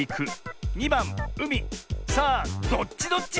さあどっちどっち？